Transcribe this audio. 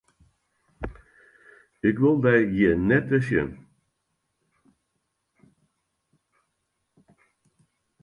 Ik wol dy hjir net wer sjen!